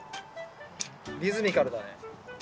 リズミカルだね。